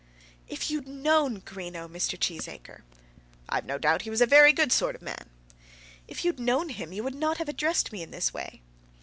"If you'd known Greenow, Mr. Cheesacre " "I've no doubt he was a very good sort of man." "If you'd known him, you would not have addressed me in this way."